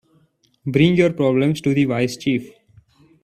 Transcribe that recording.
Bring your problems to the wise chief.